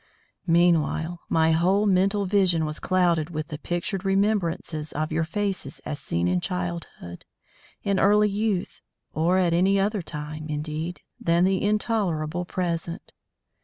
Meanwhile, my whole mental vision was clouded with the pictured remembrances of your faces as seen in childhood, in early youth, or at any other time, indeed, than the intolerable present.